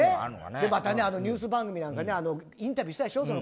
また、ニュース番組なんかインタビューしたでしょ。